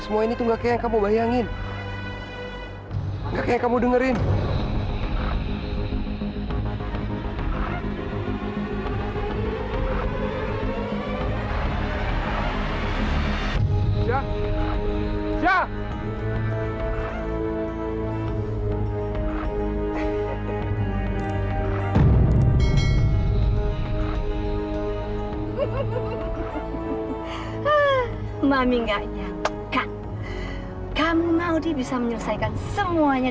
semua ini tuh nggak kayak yang kamu bayangin